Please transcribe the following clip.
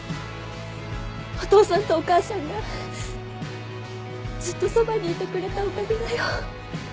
お父さんとお母さんがずっとそばにいてくれたおかげだよ。